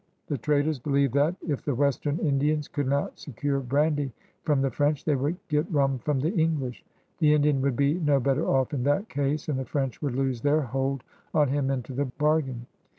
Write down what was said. The traders believed that, if the western Indians could not secure brandy from the French, they would get rum from the English. The Indian would be no better off in that case, and the French would lose their hold on him into tiie bargain.